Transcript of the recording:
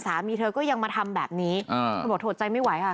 สามีเธอก็ยังมาทำแบบนี้เธอบอกถอดใจไม่ไหวค่ะ